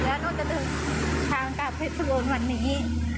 แล้วหนูจะเดินทางกลับเพชรบูรณ์วันนี้